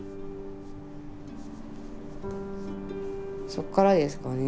そっからですかね